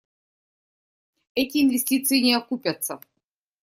Эти инвестиции не окупятся.